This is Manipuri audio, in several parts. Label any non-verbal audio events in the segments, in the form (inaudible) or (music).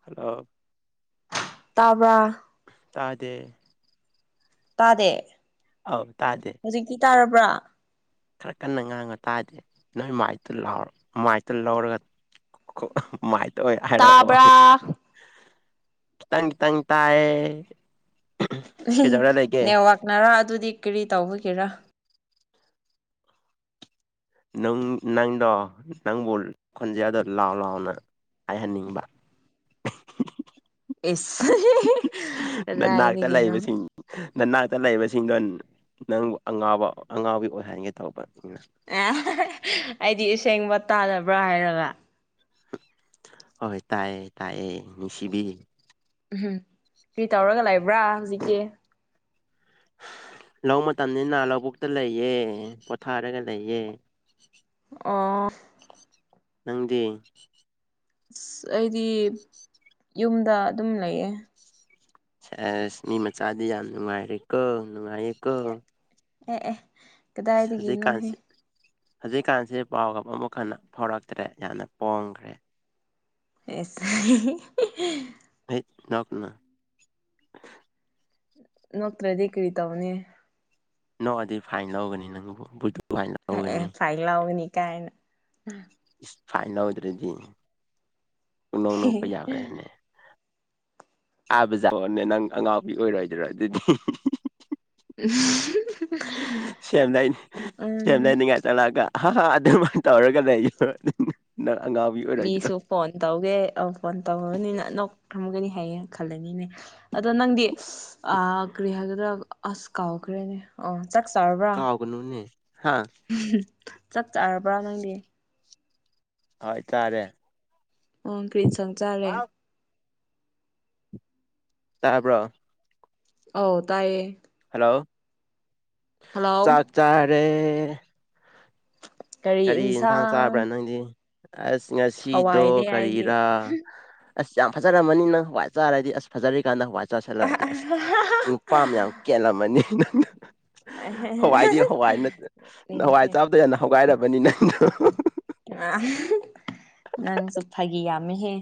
ꯍꯜꯂꯣ꯫ ꯇꯥꯕ꯭ꯔꯥ꯫ ꯇꯥꯗꯦ꯫ ꯇꯥꯗꯦ꯫ ꯑꯧ ꯇꯥꯗꯦ꯫ ꯍꯧꯖꯤꯛꯇꯤ ꯇꯥꯔꯕ꯭ꯔꯥ ꯈꯔ ꯀꯟꯅ ꯉꯥꯡꯕ ꯇꯥꯗꯦ ꯅꯣꯏ ꯃꯥꯏꯛꯇ ꯂꯥꯎꯔ ꯃꯥꯏꯛꯇꯣ ꯂꯧꯔꯒ (unintelligible) ꯃꯥꯏꯇꯑꯣꯢ ꯍꯥꯏꯔꯛꯑꯣ꯫ ꯇꯥꯕ꯭ꯔꯥ ꯈꯤꯇꯪ ꯈꯤꯇꯪ ꯇꯥꯏꯑꯦ꯫ (unintelligible) ꯅꯦꯋꯥꯛꯅꯔꯥ ꯑꯗꯨꯗꯤ ꯀꯔꯤ ꯇꯧꯕꯒꯤꯔꯥ꯫ ꯅꯪ ꯅꯪꯗꯣ ꯅꯪꯕꯨ ꯈꯣꯟꯖꯦꯜꯗꯣ ꯂꯥꯎ ꯂꯥꯎꯅ ꯍꯥꯏꯍꯟꯅꯤꯡꯕ꯫ (unintelligible) ꯅꯅꯥꯛꯇ ꯑꯗꯨꯥꯏꯗꯒꯤ ꯅꯣ꯫ ꯂꯩꯕꯁꯤꯡ ꯅꯅꯥꯛꯇ ꯂꯩꯕꯁꯤꯡꯗꯣ ꯅꯪꯕꯨ ꯑꯉꯥꯎꯕ ꯑꯉꯥꯎꯕꯤꯒꯤ ꯑꯣꯏꯍꯟꯒꯦ ꯇꯧꯕ ꯑꯦ (unintelligible) ꯑꯩꯗꯤ ꯑꯁꯦꯡꯕ ꯇꯥꯗꯕ꯭ꯔꯥ ꯍꯥꯏꯔꯒ꯫ ꯍꯣꯏ ꯇꯥꯛꯑꯦ ꯇꯥꯛꯑꯦ ꯅꯨꯡꯁꯤꯕꯤ꯫ ꯎꯝꯍꯝ ꯀꯔꯤ ꯇꯧꯔꯒ ꯂꯩꯕ꯭ꯔꯥ ꯍꯧꯖꯤꯛꯀꯤ ꯂꯧ ꯃꯇꯝꯅꯤꯅ ꯂꯧꯕꯨꯛꯇ ꯂꯩꯌꯦ ꯄꯣꯊꯥꯔꯒ ꯂꯩꯌꯦ꯫ ꯑꯣ ꯅꯪꯗꯤ꯫ ꯑꯁ ꯑꯩꯗꯤ ꯌꯨꯝꯗ ꯑꯗꯨꯝ ꯂꯩꯌꯦ꯫ ꯁꯦꯁ ꯃꯤ ꯃꯆꯥꯗꯤ ꯌꯥꯝ ꯅꯨꯡꯉꯥꯏꯔꯦ ꯀꯣ ꯅꯨꯡꯉꯥꯏꯌꯦ ꯀꯣ꯫ ꯑꯦ ꯑꯦ ꯍꯧꯖꯤꯛ ꯀꯗꯥꯏꯗꯒꯤꯅꯣꯍꯦ ꯀꯥꯟꯁꯦ ꯍꯧꯖꯤꯛꯀꯥꯟꯁꯦ ꯄꯥꯎꯒ ꯑꯃꯨꯛ ꯍꯟꯅ ꯐꯥꯎꯔꯛꯇ꯭ꯔꯦ ꯌꯥꯝꯅ ꯄꯣꯡꯒ꯭ꯔꯦ꯫ ꯑꯦꯁ (unintelligible) ꯍꯩꯠ ꯅꯣꯛꯀꯅꯨ꯫ ꯅꯣꯛꯇ꯭ꯔꯗꯤ ꯀ꯭ꯔꯤ ꯇꯧꯒꯅꯤ꯫ ꯅꯣꯛꯑꯗꯤ ꯐꯥꯏꯟ ꯂꯧꯒꯅꯤ ꯅꯪꯕꯨ ꯐꯥꯏꯟ ꯂꯧꯒꯅꯤ (unintelligible) ꯐꯥꯏꯟ ꯂꯥꯎꯒꯅꯤ ꯀꯥꯏꯅ꯫ ꯢꯁ ꯐꯥꯏꯟ ꯂꯧꯗ꯭ꯔꯗꯤ ꯄꯨꯅꯣꯛ ꯅꯣꯛꯄ ꯌꯥꯕ꯭ꯔꯅꯦ꯫ (unintelligible) ꯅꯪ ꯑꯉꯥꯎꯕꯤ ꯑꯣꯏꯔꯣꯏꯗꯔꯣ ꯑꯗꯨꯗꯤ꯫ (unintelligible) ꯁꯦꯝꯂꯩꯅꯤ ꯎꯝ ꯁꯦꯝꯂꯩꯅꯤꯡꯉꯥꯏ ꯆꯠꯂꯑꯒ ꯍꯥ ꯍꯥ ꯑꯗꯨꯃꯥꯏꯅ ꯇꯧꯔꯒ ꯂꯩ ꯑꯩ ꯅꯪ ꯑꯉꯥꯎꯕꯤ ꯑꯣꯏꯔꯣꯏꯗ꯭ꯔꯣ꯫ ꯃꯤꯁꯨ ꯐꯣꯟ ꯇꯧꯒꯦ ꯑ ꯐꯣꯟ ꯇꯧꯔꯕꯅꯤꯅ ꯅꯣꯛ ꯊꯝꯒꯅꯤ ꯍꯥꯏꯌꯦꯅ ꯈꯜꯂꯅꯤꯅꯦ ꯑꯗꯣ ꯅꯪꯗꯤ ꯀꯔꯤ ꯍꯥꯏꯒꯗ꯭ꯔꯥ ꯑꯁ ꯀꯥꯎꯈ꯭ꯔꯦꯅꯦ꯫ ꯑꯣ ꯆꯥꯛ ꯆꯥꯔꯕ꯭ꯔꯥ ꯀꯥꯎꯒꯅꯨꯅꯦ ꯍꯥ (unintelligible) ꯆꯥꯛ ꯆꯥꯔꯕ꯭ꯔꯥ ꯅꯪꯗꯤ꯫ ꯍꯣꯏ ꯇꯥꯔꯦ꯫ ꯑꯣ ꯀ꯭ꯔꯤꯟꯁꯪ ꯆꯥꯂꯦ ꯇꯥꯕ꯭ꯔꯣ ꯑꯥꯎ ꯇꯥꯏꯌꯦ꯫ ꯍꯜꯂꯣ ꯍꯜꯂꯣ ꯆꯥꯛ ꯆꯥꯔꯦ꯫ ꯀꯔꯤ ꯌꯦꯟꯖꯥꯡ ꯆꯥꯕ꯭ꯔꯥ ꯅꯪꯗꯤ ꯑꯁ ꯍꯋꯥꯏꯅꯦ ꯉꯁꯤꯗꯣ ꯑꯩꯗꯤ ꯀꯔꯤꯔꯥ ꯑꯁ ꯌꯥꯝ ꯐꯖꯔꯝꯃꯅꯤ ꯅꯪ ꯍꯋꯥꯏ ꯆꯥꯔꯗꯤ ꯑꯁ ꯐꯖꯔꯤꯀꯥꯟꯗ ꯍꯋꯥꯏ ꯆꯥꯔ ꯆꯥꯁꯜꯂꯛꯑꯗꯤ ꯑꯁ ꯅꯨꯄꯥ ꯃꯌꯥꯝ ꯀꯦꯜꯂꯝꯃꯅꯤ ꯅꯪꯅ ꯍꯋꯥꯏꯗꯤ ꯍꯋꯥꯏ ꯍꯋꯥꯏ ꯅꯤꯡꯉꯤꯍꯦ ꯆꯥꯕꯇꯅ ꯍꯋꯥꯏ ꯕꯅꯤ ꯅꯅꯥꯅꯣ ꯅꯪꯁꯨ ꯐꯥꯒꯤ ꯌꯥꯝꯃꯤꯍꯦ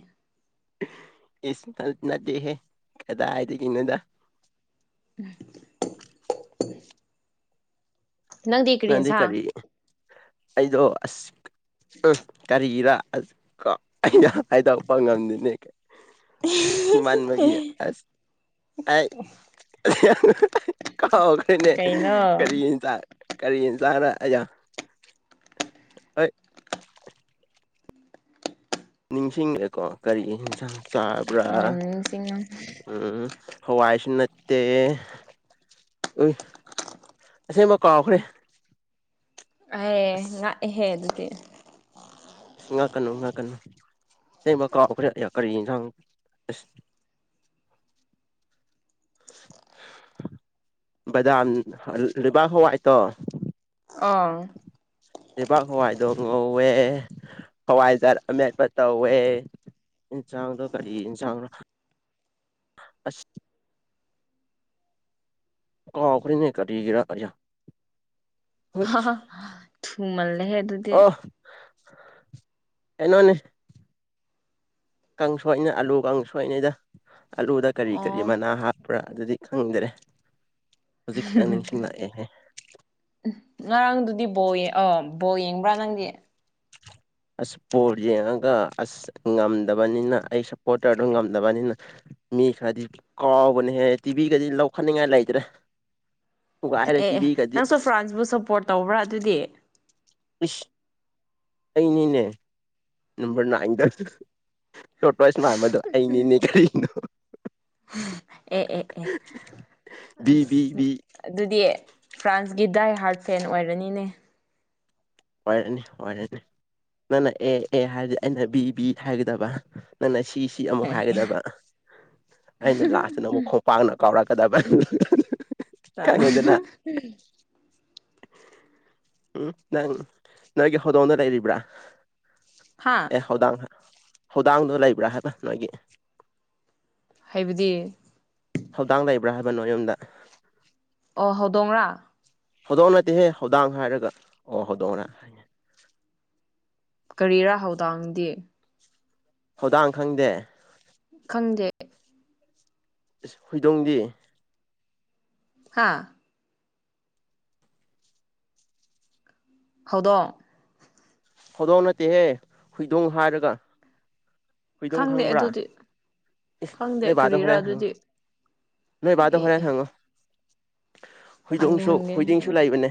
ꯏꯁꯃ ꯏꯅꯥ ꯗꯦꯍꯦ ꯀꯗꯥ ꯍꯥꯏꯗꯤ ꯀꯅꯦꯗ ꯎꯝ ꯅꯪꯗꯤ ꯀꯔꯤ ꯑꯩꯗꯣ ꯑꯁ ꯎ ꯀꯔꯤꯒꯤꯔ ꯀꯣ ꯑꯩꯅ ꯍꯥꯏꯗꯔꯛꯄ ꯉꯝꯗꯅꯦ ꯀꯃꯥꯟ ꯃꯒꯤ ꯑꯁ ꯑꯩ ꯌꯥꯝ ꯀꯥꯎꯈꯣꯏꯅꯦ ꯀꯩꯅꯣ ꯀꯔꯤꯒꯤꯗ ꯀꯔꯤꯅ ꯇꯥꯔ ꯑꯩꯖ ꯑꯩ ꯅꯤꯡꯁꯤꯡꯉꯦꯀꯣ ꯀꯔꯤꯟꯁꯥꯡ ꯆꯥ ꯑ ꯎꯝ ꯍꯋꯥꯏꯁꯨ ꯅꯠꯇꯦ ꯎꯏ ꯑꯁꯦꯡꯕ ꯀꯥꯎꯈ꯭ꯔꯦ ꯑꯦ ꯑꯁ ꯉꯥꯛꯑꯍꯦ ꯑꯗꯨꯗꯤ ꯑ ꯉꯥꯛꯀꯅꯨ ꯉꯥꯛꯀꯅꯨ ꯁꯤꯦꯡꯕ ꯀꯥꯎꯈ꯭ꯔꯦ ꯀꯔꯤ ꯌꯦꯟꯁꯥꯡ ꯑꯁ ꯕꯩꯗꯥꯝ ꯂꯩꯕꯥꯛ ꯍꯋꯥꯏꯇꯣ ꯑꯥ ꯂꯩꯕꯥꯛ ꯍꯋꯥꯏꯗꯣ ꯉꯧꯋꯦ ꯍꯋꯥꯏꯖꯥꯠ ꯑꯃꯦꯠꯄ ꯇꯧꯋꯦ ꯏꯟꯁꯥꯡꯗꯣ ꯀꯔꯤ ꯏꯟꯁꯥꯡꯅꯣ ꯑꯁ ꯑꯥꯎꯈꯔꯤꯅꯦ ꯀꯔꯤꯒꯔ ꯊꯨꯃꯜꯂꯦꯍꯦ ꯑꯗꯨꯗꯤ ꯑꯦꯅꯅꯦ ꯀꯥꯡ ꯁꯣꯏꯅ ꯑꯥꯂꯨ ꯀꯥꯡ ꯁꯣꯏꯅꯩꯗ ꯑꯥꯂꯨꯗ ꯀꯔꯤ ꯀꯔꯤ ꯑꯣ ꯃꯅꯥ ꯍꯥꯞꯄ ꯄꯨ꯭ꯔꯥ ꯑꯗꯨꯗꯤ ꯈꯪꯗꯔꯦ (inaudible) ꯎ ꯉꯔꯥꯡꯗꯨꯗꯤ ꯕꯣ ꯑ ꯕꯣ ꯌꯦꯡꯕ꯭ꯔꯥ ꯅꯪꯗꯤ ꯑꯁ ꯄꯣꯔ ꯌꯦꯡꯉꯒ ꯑꯁ ꯉꯝꯗꯕꯅꯤꯅ ꯑꯩ ꯁꯞꯄꯣꯔꯇꯔꯗꯨ ꯉꯝꯗꯕꯅꯤꯅ ꯃꯤ ꯈꯔꯗꯤ ꯀꯥꯎꯕꯅꯦꯍꯦ ꯇꯤꯚꯤꯒꯗꯤ ꯂꯧꯈꯠꯅꯤꯡꯉꯥꯏ ꯂꯩꯇ꯭ꯔꯦ ꯊꯨꯒꯥꯏꯔꯦ ꯑꯦ ꯑꯦ ꯇꯤꯚꯤꯒꯗꯤ ꯅꯪꯁꯨ ꯐ꯭ꯔꯥꯟꯁꯕꯨ ꯁꯞꯄꯣꯔꯠ ꯇꯧꯕ꯭ꯔꯥ ꯑꯗꯨꯗꯤ ꯏꯁꯁ ꯑꯩꯅꯤꯅꯦ ꯅꯝꯕꯔ ꯅꯥꯏꯟꯗ ꯇꯣꯇꯁꯅꯥꯝꯕꯗꯣ ꯑꯩꯅꯦ ꯏꯅꯦ ꯀꯔꯤꯅꯣ ꯑꯦ ꯑꯦ ꯑꯦ ꯑ ꯕꯤ ꯕꯤ ꯕꯤ ꯑꯗꯨꯗꯤ ꯐ꯭ꯔꯥꯟꯁꯀꯤ ꯗꯥꯏ ꯍꯥꯔꯠ ꯐꯦꯟ ꯑꯣꯏꯔꯅꯤꯅꯦ ꯋꯥꯔꯅꯤ ꯑꯣꯏꯔꯅꯤ ꯅꯪꯅ ꯑꯦ ꯑꯦ ꯍꯥꯏꯔꯗꯤ ꯑꯩꯅ ꯕꯤ ꯕꯤ ꯍꯥꯏꯒꯗꯕ ꯅꯪꯅ ꯁꯤꯁꯤ ꯐꯤ ꯑꯃꯨꯛ ꯍꯥꯏꯒꯗꯕ ꯑꯩꯅ ꯂꯥꯁꯇꯅ ꯑꯃꯨꯛ ꯈꯣꯡꯄꯥꯛꯥꯡꯅ ꯀꯥꯎꯔꯛꯀꯗꯕ ꯀꯪꯉꯩꯗꯅ ꯎꯝ ꯅꯪ ꯅꯒ ꯍꯗ ꯑꯣꯅ ꯇꯥꯏꯔꯤꯕꯕ꯭ꯔꯥ ꯍꯥꯥ ꯑꯦ ꯍꯧꯗꯥꯡ ꯍꯧꯗꯥꯡꯗꯣ ꯂꯩꯕ꯭ꯔꯥ ꯍꯥꯏꯕ ꯅꯣꯏꯒꯤ ꯍꯥꯏꯕꯗꯤ ꯊꯧꯗꯥꯡ ꯂꯩꯕ꯭ꯔꯥ ꯍꯥꯏꯕꯅꯣ ꯌꯨꯝꯗ ꯑꯣ ꯍꯧꯗꯣꯡꯔꯥ ꯍꯧꯗꯣꯡꯑ ꯅꯠꯇꯦꯍꯦ ꯍꯧꯗꯥꯡ ꯍꯥꯏꯔꯒ ꯑꯣ ꯍꯧꯗꯣꯡꯑꯅ ꯀꯔꯤꯔꯥ ꯍꯧꯗꯥꯡꯗꯦ ꯊꯧꯗꯥꯡ ꯈꯪꯗꯦ ꯈꯪꯗꯦ ꯁ ꯍꯣꯏꯗꯣꯡꯗꯤ ꯍꯥꯥ ꯍꯗꯣ ꯍꯧꯧꯗꯣꯡ ꯅꯠꯇꯦꯍꯦ ꯍꯨꯏꯗꯣꯡ ꯍꯥꯏꯔꯒ ꯍꯨꯏꯗꯣꯝ ꯈꯪꯗꯦ ꯈꯪꯕ꯭ꯔꯥ ꯑꯗꯨꯗꯤ ꯏꯁ ꯈꯪꯗꯦ ꯅꯕꯥꯗꯣ ꯀꯔꯤꯔꯥ ꯍꯣꯔꯦꯟ ꯑꯗꯨꯗꯤ ꯈꯪꯉꯣ ꯅ ꯕꯥꯗ ꯑꯦ ꯐꯔꯦ ꯑꯦ ꯁꯪꯒꯣ ꯍꯪꯒꯦ ꯍꯨꯏꯗꯣꯡꯁꯨ ꯍꯪꯒꯦ ꯎꯝ ꯍꯨꯏꯗꯤꯡꯁꯨ ꯂꯩꯕꯅꯦ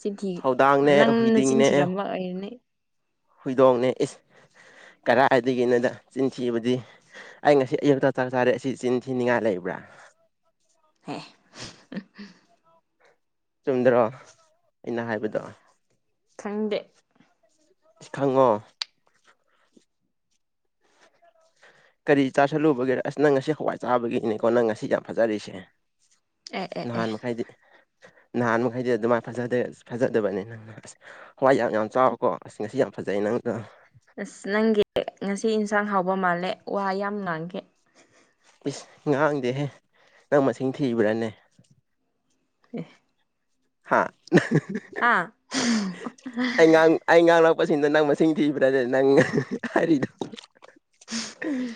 ꯆꯤꯟꯊꯤ ꯍꯧꯗꯥꯡꯅꯦ ꯅꯪꯅ ꯍꯨꯏꯗꯤꯡꯅꯦ ꯆꯤꯟꯊꯤꯔꯝꯂ ꯑꯩꯔꯅꯤ ꯍꯨꯏꯗꯣꯡꯅꯦ ꯏꯁ ꯀꯔꯥꯏꯗꯒꯤꯅꯣꯗ ꯆꯤꯟꯊꯤꯕꯨꯗꯤ ꯑꯩ ꯉꯁꯤ ꯑꯌꯨꯛꯇ ꯆꯥꯛ ꯆꯥꯔꯦ ꯑꯁꯤ ꯆꯤꯟꯁꯤ ꯅꯤꯡꯉꯥꯏ ꯂꯩꯕ꯭ꯔꯥ ꯍꯣꯏ ꯆꯨꯝꯗ꯭ꯔꯣ ꯑꯩꯅ ꯍꯥꯏꯕꯗꯣ ꯈꯪꯗꯦ ꯏꯁ ꯈꯪꯉꯣ ꯀꯔꯤ ꯆꯥꯥꯁꯜꯂꯨꯕꯒꯦ ꯑꯁ ꯅꯪ ꯉꯁꯤ ꯍꯋꯥꯏ ꯆꯥꯕꯒꯤꯅꯤꯀꯣ ꯅꯪ ꯉꯁꯤ ꯌꯥꯝ ꯐꯖꯔꯤꯁꯦ ꯑꯦ ꯑꯦ ꯑꯦ ꯅꯍꯥꯟ ꯃꯈꯩꯗꯤ ꯅꯍꯥꯟ ꯃꯈꯩꯗꯤ ꯑꯗꯨꯃꯥꯏꯐꯖꯗꯦ ꯐꯖꯗꯕꯅꯦ ꯍꯋꯥꯏ ꯌꯥꯝ ꯌꯥꯝ ꯆꯥꯎꯕꯀꯣ ꯑ ꯉꯁꯤ ꯌꯥꯝ ꯐꯖꯩ ꯅꯪꯗ ꯑꯁ ꯅꯪꯒꯤ ꯉꯁꯤ ꯏꯟꯁꯥꯡ ꯍꯥꯎꯕ ꯃꯥꯜꯂꯦ ꯋꯥ ꯌꯥꯝ ꯉꯥꯡꯈꯤ ꯄꯤꯁ ꯉꯥꯡꯗꯦꯍꯦ ꯅꯪ ꯃꯁꯤꯡ ꯊꯤꯕ꯭ꯔꯥꯅꯦ ꯑꯦ ꯍꯥ ꯑꯥ ꯑꯩ ꯉꯥꯡ ꯑꯩ ꯉꯥꯡꯂꯛꯄꯁꯤꯡꯗꯣ ꯅꯪ ꯃꯁꯤꯡ ꯊꯤꯕ꯭ꯔꯥ ꯅꯪ ꯍꯥꯏꯔꯤꯗꯣ ꯎꯝ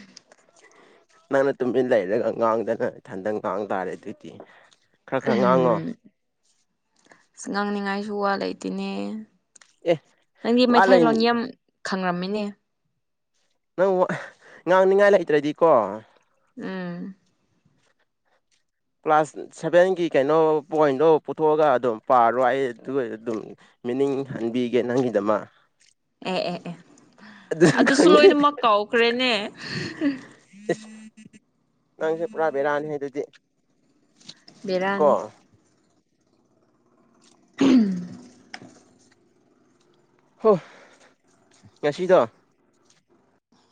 ꯅꯪꯅ ꯇꯨꯃꯤꯟ ꯂꯩꯔꯒ ꯉꯥꯡꯗꯅ ꯏꯊꯟꯗꯪ ꯉꯥꯡ ꯇꯥꯔꯦ ꯑꯗꯨꯏꯗꯤ ꯎꯝ ꯉꯥꯡꯅꯤꯡꯉꯥꯏꯁꯨ ꯋꯥ ꯂꯩꯇꯦꯅꯦ ꯑꯦ ꯅꯪꯗꯤ ꯋꯥ ꯂꯩ ꯃꯩꯊꯇꯩꯂꯣꯟꯣ ꯌꯥꯝ ꯈꯪꯔꯝꯃꯤꯅꯦ ꯅꯪ ꯉꯥꯡꯅꯤꯡꯉꯥꯏ ꯂꯩꯇ꯭ꯔꯗꯤꯀꯣ ꯎꯝ ꯀ꯭ꯂꯥꯁ ꯁꯚꯦꯟꯒꯤ ꯀꯩꯅꯣ ꯄꯣꯏꯟꯗꯣ ꯄꯨꯊꯣꯛꯑꯒ ꯑꯗꯨꯝ ꯄꯥꯔꯣ ꯑꯩ ꯑꯗꯨꯒ ꯑꯗꯨꯝ ꯃꯤꯅꯤꯡ ꯍꯟꯕꯤꯒꯦ ꯅꯪꯒꯤꯗꯃꯛ ꯑꯦ ꯑꯦ ꯑꯦ ꯑꯗꯨ ꯑꯗꯨꯁꯨ ꯈꯪꯗꯦ ꯂꯣꯏꯅꯃꯛ ꯀꯥꯎꯈ꯭ꯔꯦꯅꯦ ꯅꯪꯁꯦ ꯄꯨꯔꯥ ꯕꯦꯔꯥꯅꯤꯍ‌ꯦ ꯑꯗꯨꯗꯤ ꯕ‌ꯦꯔꯥꯅ‌ꯦ ꯀꯣ (unintelligible) ꯍꯣ ꯉꯁꯤꯗꯣ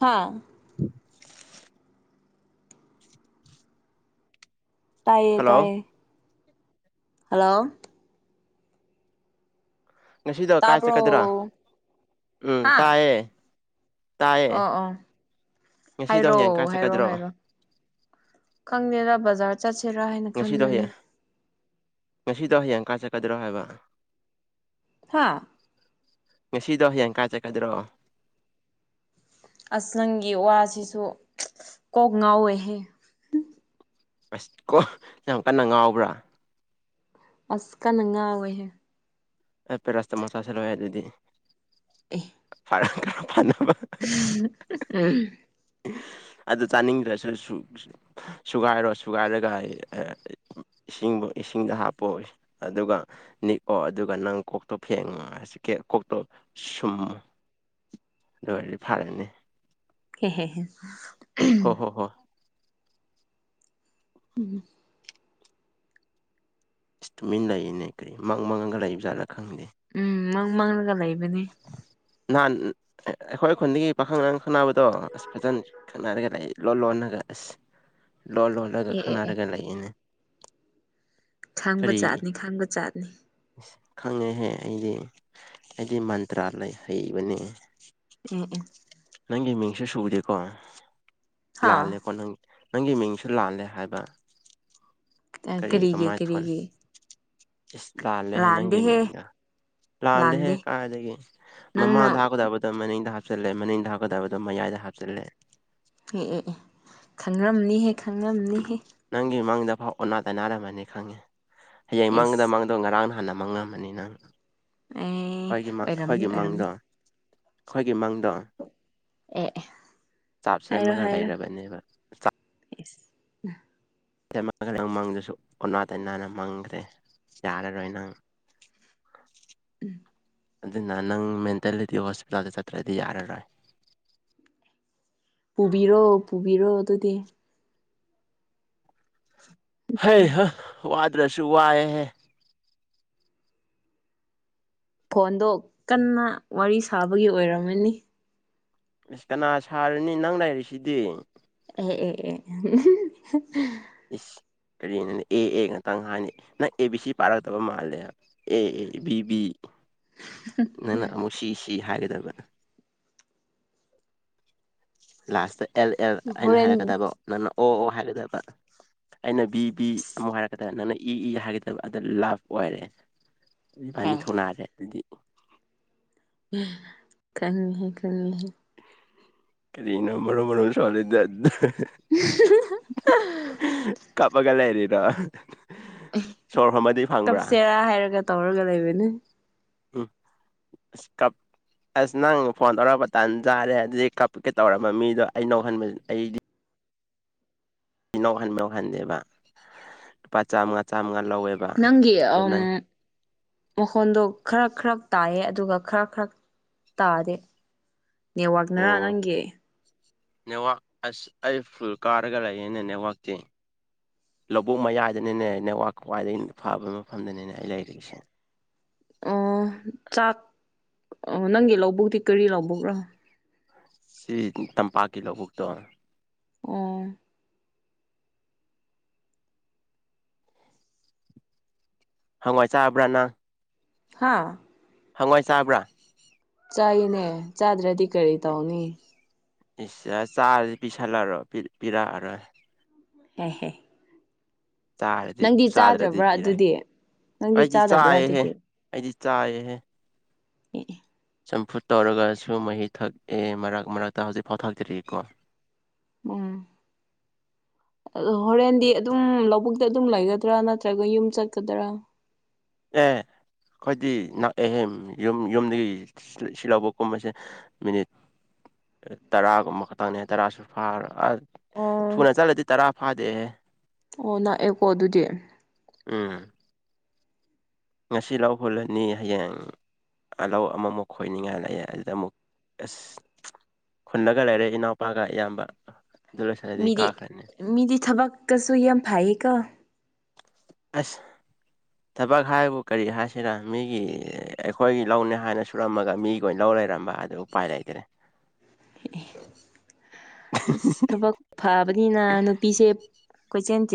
ꯍꯥꯥ (inaudible) ꯇꯥꯏꯌꯦ ꯍꯜꯂꯣ ꯇꯥꯏꯌꯦ ꯍꯜꯂꯣ ꯉꯁꯤꯗꯣ ꯀꯥꯏ ꯇꯥꯕ꯭ꯔꯣ ꯆꯠꯀꯗ꯭ꯔꯥ ꯎꯝ ꯍꯥ ꯇꯥꯏꯌꯦ ꯇꯥꯏꯌꯦ ꯑꯣ ꯑꯣ ꯉꯁꯤꯗꯣ ꯍꯥꯏꯔꯣ ꯍꯌꯦꯡ ꯀꯥꯏ ꯍꯥꯏꯔꯣ ꯆꯠꯀꯗ꯭ꯔꯣ ꯍꯥꯏꯔꯣ ꯈꯪꯗꯦꯗ ꯕꯖꯥꯔ ꯆꯠꯁꯤꯔꯥ ꯍꯥꯏꯅ ꯉꯁꯤꯗꯣ ꯈꯟꯕꯅꯤ ꯍꯌꯦꯡ ꯉꯁꯤꯗꯣ ꯍꯌꯦꯡ ꯀꯥꯏ ꯆꯠꯀꯗ꯭ꯔꯣ ꯍꯥꯏꯕ ꯍꯥꯥ ꯉꯁꯤꯗꯣ ꯍꯌꯦꯡ ꯀꯥꯏ ꯆꯠꯀꯗ꯭ꯔꯣ ꯑꯁ ꯅꯪꯒꯤ ꯋꯥꯁꯤꯁꯨ ꯀꯣꯛ ꯉꯥꯎꯋꯦꯍ‌ꯦ ꯑꯁ ꯀꯣ ꯌꯥꯝ ꯀꯟꯅ ꯉꯥꯎꯕ꯭ꯔꯥ ꯑꯁ ꯀꯟꯅ ꯉꯥꯎꯋ‌ꯦꯍꯦ ꯍ‌ꯦ ꯄꯦꯔꯥꯁꯤꯇꯥꯃꯣꯜ ꯆꯥꯁꯤꯜꯂ‌ꯣꯍ‌ꯦ ꯑꯗꯨꯗꯤ ꯑꯦ ꯑꯔꯥꯡ ꯈꯔ ꯐꯅꯕ (unintelligible) ꯎꯝ ꯑꯗꯨ ꯆꯥꯅꯤꯡꯗ꯭ꯔꯁꯨ ꯁꯨ ꯁꯨꯒꯥꯏꯔꯣ ꯁꯨꯒꯥꯏꯔꯒ ꯑ ꯑ ꯏꯁꯤꯡꯕꯨ ꯏꯁꯤꯡꯗ ꯍꯥꯞꯄꯣ ꯑꯗꯨꯒ ꯅꯤꯛꯑꯣ ꯑꯗꯨꯒ ꯅꯪ ꯀꯣꯛꯇꯣ ꯐꯦꯡꯉ ꯍꯧꯖꯤꯛꯀꯤ ꯀꯣꯛꯇꯣ ꯁꯨꯝꯃ‌ꯣ ꯑꯗꯨ ꯑꯣꯏꯗꯤ ꯐꯥꯔꯅꯤ ꯍꯦꯍꯦ ꯍꯦ ꯑꯣ ꯍꯣ ꯍꯣ꯫ ꯎꯝ ꯏꯁ ꯇꯨꯃꯤꯟ ꯂꯩꯌꯦꯅꯦ ꯀꯔꯤ ꯃꯪ ꯃꯪꯉꯒ ꯂꯩꯕ ꯖꯥꯠꯂ ꯈꯪꯗꯦ ꯎꯝ ꯃꯪ ꯃꯪꯂꯒ ꯂꯩꯕꯅꯤ ꯅꯍꯥꯟ ꯑ ꯑꯩꯈꯣꯏ ꯈꯨꯟꯗꯒꯤ ꯄꯥꯈꯪ ꯅꯪ ꯈꯪꯅꯕꯗꯣ ꯑꯁ ꯐꯖꯟ ꯈꯠꯅꯔꯒ ꯂꯩ ꯂꯣꯟ ꯂꯣꯟꯅꯒ ꯑꯁ ꯂꯣ ꯂꯣꯟꯂꯒ ꯑꯦ ꯑꯦ ꯑꯦ ꯈꯪꯅꯔꯒ ꯂꯩꯌꯦꯅꯦ ꯈꯪꯕꯖꯥꯠꯅꯤ ꯈꯪꯕꯖꯥꯠꯅꯤ ꯏꯁ ꯈꯪꯉꯦꯍꯦ ꯑꯩꯗꯤ ꯑꯩꯗꯤ ꯃꯟꯇ꯭ꯔꯥ ꯂꯩ ꯍꯩꯕꯅꯦ꯫ ꯎꯝ ꯎꯝ꯫ ꯅꯪꯒꯤ ꯃꯤꯡꯁꯨ ꯁꯨꯗꯦꯀꯣ ꯍꯥꯥ ꯂꯥꯜꯂꯦꯀꯣ ꯅꯪ ꯅꯪꯒꯤ ꯃꯤꯡꯁꯨ ꯂꯥꯜꯂꯦ ꯍꯥꯏꯕ (unintelligible) ꯀꯔꯤ ꯀꯔꯤꯒꯤ ꯀꯃꯥꯏ ꯊꯣꯟ ꯀꯔꯤꯒꯤ ꯏꯁ ꯂꯥꯜꯂꯦꯍꯦ ꯅꯪꯒꯤ ꯂꯥꯟꯗꯦꯍꯦ ꯃꯤꯡꯗ ꯂꯥꯜꯂꯦꯍꯦ ꯂꯥꯟꯗꯦ ꯀꯥꯏꯗꯒꯤ ꯅꯪꯅ ꯃꯃꯥꯡꯗ ꯍꯥꯞꯀꯗꯕ ꯅ ꯃꯅꯤꯡꯗ ꯍꯥꯞꯆꯤꯜꯂꯦ ꯃꯅꯤꯡꯗ ꯍꯥꯞꯀꯗꯕꯗꯣ ꯃꯌꯥꯏꯗ ꯍꯥꯞꯆꯤꯜꯂꯦ ꯑꯦ ꯑꯦ ꯑꯦ ꯈꯪꯔꯝꯅꯤꯍꯦ ꯈꯪꯔꯝꯅꯤꯍꯦ ꯅꯪꯒꯤ ꯃꯪꯗ ꯐꯥꯎ ꯑꯣꯅꯥ ꯇꯥꯏꯅꯔꯝꯃꯅꯤ ꯈꯪꯉꯦ ꯍꯌꯦꯡ ꯃꯪꯗ ꯑꯦꯁ ꯃꯪ ꯑꯗꯣ ꯉꯔꯥꯡ ꯅꯍꯥꯟꯅ ꯃꯪꯉꯝꯃꯅꯤ ꯅꯪ ꯑꯦ ꯑꯩꯈꯣꯏꯒꯤ ꯃꯪ ꯑꯣꯏꯔꯝꯅꯤ ꯑꯩꯈꯣꯏꯒꯤ ꯑꯣꯏꯔꯝꯅꯤ ꯃꯪꯗꯣ ꯑꯩꯈꯣꯏꯒꯤ ꯃꯪꯗꯣ ꯑꯦ ꯑꯦ ꯆꯥꯞ ꯍꯥꯏꯔꯣ ꯁꯦꯝꯃꯒ ꯍꯥꯏꯔꯣ ꯂꯩꯔꯕꯅꯦꯕ ꯑꯦꯁ (unintelligible) ꯃꯪꯗꯨꯁꯨ ꯑꯣꯅꯥ ꯇꯩꯅꯅ ꯃꯪꯒ꯭ꯔꯦ ꯌꯥꯔꯔꯣꯏ ꯅꯪ꯫ ꯎꯝ꯫ ꯑꯗꯨꯅ ꯅꯪ ꯃꯦꯟꯇꯦꯂꯤꯗꯤ ꯍꯣꯁꯄꯤꯇꯥꯜꯗ ꯆꯠꯇ꯭ꯔꯗꯤ ꯌꯥꯔꯔꯣꯏ ꯄꯨꯕꯤꯔꯣ ꯄꯨꯕꯤꯔꯣ ꯑꯗꯨꯗꯤ ꯍꯩꯍꯥ ꯋꯥꯗ꯭ꯔꯁꯨ ꯋꯥꯏꯍꯦ ꯐꯣꯟꯗꯣ ꯀꯟꯅ ꯋꯥꯔꯤ ꯁꯥꯕꯒꯤ ꯑꯣꯏꯔꯝꯃꯅꯤ꯫ ꯑꯁ ꯀꯅꯥ ꯁꯥꯔꯅꯤ ꯅꯪ ꯂꯩꯔꯤꯁꯤꯗꯤ ꯑꯦ ꯑꯦ ꯑꯦ ꯏꯁ ꯀꯔꯤꯅꯣꯅꯦ ꯑꯦ ꯑꯦ ꯉꯥꯛꯇꯪ ꯍꯥꯏꯌꯦꯅꯦ ꯅꯪ ꯑꯦ ꯕꯤ ꯁꯤ ꯄꯥꯔꯛꯇꯕ ꯃꯥꯜꯂꯦ ꯑꯦ ꯑꯦ ꯕꯤ ꯕꯤ ꯅꯪꯅ ꯑꯃꯨꯛ ꯁꯤ ꯁꯤ ꯍꯥꯏꯒꯗꯕ ꯂꯥꯁꯇ ꯑꯦꯜ ꯑꯦꯜ ꯑꯩꯅ ꯍꯣꯔꯦꯟ ꯍꯥꯏꯔꯛꯀꯗꯕ ꯅꯪꯅ ꯑꯣ ꯑꯣ ꯍꯥꯏꯔꯗꯕ ꯑꯩꯅ ꯕꯤ ꯕꯤ ꯑꯃꯨꯛ ꯍꯥꯏꯔꯛꯀꯗ ꯅꯪꯅ ꯏ ꯏ ꯍꯥꯏꯒꯗꯕ ꯑꯗꯨꯗ ꯂꯥꯚ ꯑꯣꯏꯔꯦ ꯍꯦ ꯑꯅꯤ ꯊꯣꯅꯥꯈ꯭ꯔꯦ ꯑꯗꯨꯗꯤ ꯈꯪꯉꯤꯍꯦ ꯈꯪꯉꯤꯍꯦ ꯀꯔꯤꯅꯣ ꯃꯔꯣ ꯃꯔꯣ ꯁꯣꯜꯂꯤꯗ (inaudible) ꯀꯞꯄꯒ ꯂꯩꯔꯤꯔꯣ ꯁꯣꯔ ꯍꯣꯟꯕꯗꯤ ꯐꯪꯕ꯭ꯔꯥ ꯀꯞꯁꯦꯔꯥ ꯍꯥꯏꯔꯒ ꯇꯧꯔꯒ ꯂꯩꯕꯅꯦ ꯎꯝ ꯀꯞ ꯑꯁ ꯅꯪ ꯐꯣꯟ ꯇꯧꯔꯛꯄ ꯇꯥꯟ ꯆꯥꯔꯦ ꯑꯗꯨꯗꯤ ꯀꯞꯀꯦ ꯇꯧꯔꯝꯕ ꯃꯤꯗꯣ ꯑꯩꯅꯣꯛꯍꯟꯕ ꯑꯩꯗꯤ ꯏꯅꯥꯎꯈꯟ ꯌꯥꯎꯍꯟꯗꯦꯕ ꯂꯨꯄꯥ ꯆꯥꯝꯃꯉꯥ ꯆꯥꯝꯃꯉꯥ ꯂꯧꯋꯦꯕ ꯅꯪꯒꯤ ꯑꯗꯨ ꯑꯝ ꯅꯪ ꯅꯈꯣꯟꯗꯣ ꯈꯔ ꯈꯔ ꯇꯥꯏꯌꯦ ꯑꯗꯨꯒ ꯈꯔ ꯈꯔ ꯇꯥꯗꯦ ꯅꯦꯋꯥꯛꯅꯔꯥ ꯑꯣ ꯅꯪꯒꯤ꯫ ꯅꯦꯠꯋꯥꯛ ꯑꯁ ꯑꯩ ꯐꯨꯜ ꯀꯥꯔꯒ ꯂꯩꯌꯦꯅꯦ ꯅꯦꯠꯋꯥꯛꯇꯤ ꯂꯧꯕꯨꯛ ꯃꯌꯥꯏꯗꯅꯤꯅꯦ ꯅꯦꯠꯋꯥꯛ ꯈ꯭ꯋꯥꯏꯗꯒꯤ ꯐꯕ ꯃꯐꯝꯗꯅꯤꯅꯦ ꯑꯩ ꯂꯩꯔꯤꯁꯦ ꯑꯣ ꯆꯥꯛ ꯅꯪꯒꯤ ꯂꯧꯕꯨꯛꯇꯤ ꯀꯔꯤ ꯂꯧꯕꯨꯛꯔꯣ ꯁꯤ ꯇꯝꯄꯥꯛꯀꯤ ꯂꯧꯕꯨꯛꯇꯣ ꯑꯣ ꯍꯪꯋꯥꯏ ꯆꯥꯕ꯭ꯔꯥꯅꯪ ꯍꯥꯥ ꯍꯪꯋꯥꯏ ꯆꯥꯕ꯭ꯔꯥ ꯆꯥꯏꯅꯦ ꯆꯥꯗ꯭ꯔꯗꯤ ꯀꯔꯤ ꯇꯧꯅꯤ ꯏꯁ ꯆꯥꯔꯗꯤ ꯄꯤꯁꯜꯂꯔꯣꯏ ꯄꯤꯔꯛꯑꯔꯣꯏ ꯍꯦ ꯍꯣꯏ ꯆꯥꯔꯗꯤ ꯆꯥꯗ꯭ꯔꯗꯤ ꯆꯥꯗ꯭ꯔꯕ꯭ꯔꯥ ꯄꯤꯔꯥꯏ ꯑꯗꯨꯗꯤ ꯅꯪꯗꯤ ꯑꯩꯗꯤ ꯆꯥꯗꯕ꯭ꯔꯥ ꯆꯥꯏꯑꯦꯍꯦ ꯑꯗꯨꯗꯤ ꯑꯩꯗꯤꯆꯥꯏꯑꯦꯍꯦ ꯑꯦ ꯆꯝꯐꯨꯠ ꯇꯧꯔꯒꯁꯨ ꯃꯍꯤ ꯊꯛꯑꯦ ꯃꯔꯛ ꯃꯔꯛꯇ ꯍꯧꯖꯤꯛ ꯐꯥꯎ ꯊꯥꯛꯇ꯭ꯔꯤꯑꯀꯣ ꯎꯝ ꯑꯗꯣ ꯍꯣꯔꯦꯟꯗꯤ ꯑꯗꯨꯝ ꯂꯧꯕꯨꯛꯇ ꯑꯗꯨꯝ ꯂꯩꯒꯗ꯭ꯔꯥ ꯅꯠꯇ꯭ꯔꯒ ꯌꯨꯝ ꯆꯠꯀꯗ꯭ꯔꯥ ꯑꯦ ꯑꯩꯈꯣꯏꯗꯤ ꯅꯛꯏꯍꯦ ꯌꯨꯝ ꯌꯨꯝꯗꯒꯤ ꯁꯤꯜꯍꯧꯐꯧ ꯀꯨꯝꯕꯁꯦ ꯃꯤꯅꯤꯠ ꯇꯔꯥꯒꯨꯝꯕ ꯈꯛꯇꯪꯅꯦ ꯇꯔꯥꯁꯨ ꯐꯥꯔ ꯑꯣ ꯊꯨꯅ ꯆꯠꯂꯗꯤ ꯇꯔꯥ ꯐꯥꯗꯦꯍꯦ ꯑꯣ ꯅꯥꯛꯑꯦꯀꯣ ꯑꯗꯨꯗꯤ ꯎꯝ ꯉꯁꯤ ꯍꯨꯜꯂꯅꯤ ꯍꯌꯦꯡ ꯑꯥꯜꯂꯧ ꯑꯃꯃꯨꯛ ꯈꯣꯏꯅꯤꯡꯉꯥꯏ ꯂꯩ ꯑꯗꯨꯗ ꯑꯃꯨꯛ ꯑꯁ ꯍꯨꯟꯂꯒ ꯂꯩꯔꯦ ꯏꯅꯥꯎꯄꯥꯒ ꯏꯌꯥꯝꯕ ꯑꯗꯨ ꯂꯣꯏꯁꯤꯜꯂꯗꯤ ꯃꯤꯗꯤ ꯀꯥꯈ꯭ꯔꯅꯤ ꯃꯤꯗꯤ ꯊꯕꯛꯀꯁꯨ ꯌꯥꯝ ꯐꯩꯌꯦꯀꯣ ꯑꯁ ꯊꯕꯛ ꯍꯥꯏꯕꯨ ꯀꯔꯤ ꯍꯥꯏꯁꯤꯔ ꯃꯤꯒꯤ ꯑꯩꯈꯣꯏꯒꯤ ꯂꯧꯅꯦ ꯍꯥꯏꯅ ꯁꯨꯔꯝꯃꯒ ꯃꯤꯒꯤ ꯂꯧꯑꯣꯏꯔꯝꯕ ꯑꯗꯣ ꯄꯥꯏ ꯂꯩꯒꯔꯦ ꯑꯁ ꯊꯕꯛ ꯐꯕꯅꯤꯅ ꯅꯨꯄꯤꯁꯦ ꯀꯣꯏꯁꯦꯜꯁꯦ